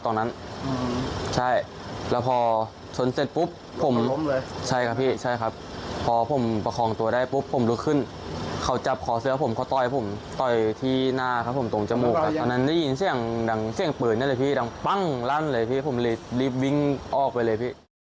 ตอนนั้นได้ยินเสียงดังเสียงเปิดนั่นเลยพี่ดังปั้งลั่นเลยพี่ผมเลยวิ่งออกไปเลยพี่